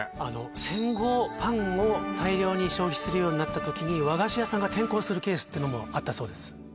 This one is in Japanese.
戦後パンを大量に消費するようになった時に和菓子屋さんが転向するケースっていうのもあったそうです